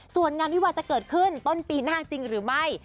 ส่วนงานวิวาจะเกิดขึ้นต้นปีหน้าจริงหรือไม่